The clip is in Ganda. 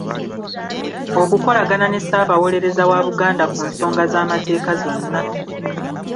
Okukolagana ne Ssaabawolereza wa Buganda ku nsonga z’amateeka zonna.